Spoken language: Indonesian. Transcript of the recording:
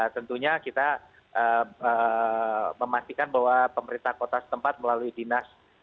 tentunya kita memastikan bahwa pemerintah kota setempat melalui dinas